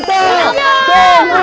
tuh teman teman